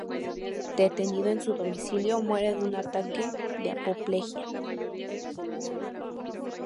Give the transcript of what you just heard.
Detenido en su domicilio, muere de un ataque de apoplejía.